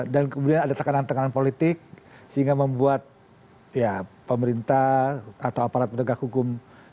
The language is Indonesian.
dan kemudian ada tekanan tekanan politik sehingga membuat pemerintah atau aparat pendegang hukum